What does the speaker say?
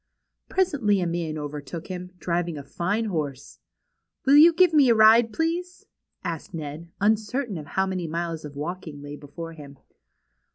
Presently a man overtook hiiU; driving a fine horse. ^^Will you give me a ride; please?" asked Ned; un certain how many miles of walking lay before him.